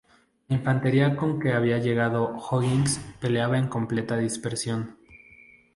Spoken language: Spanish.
La infantería con que había llegado O'Higgins peleaba en completa dispersión.